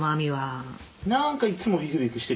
なんかいっつもビクビクしてるよね。